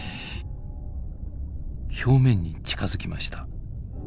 表面に近づきました。